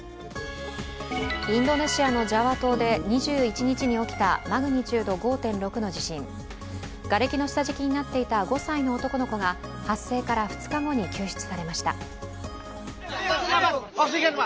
インドネシアのジャワ島で２１日に起きたマグニチュード５．６の地震がれきの下敷きになっていた５歳の男の子が発生から２日後に救出されました。